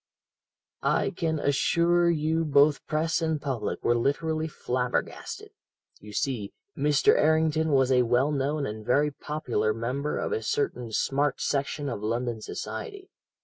"I can assure you both press and public were literally flabbergasted. You see, Mr. Errington was a well known and very popular member of a certain smart section of London society.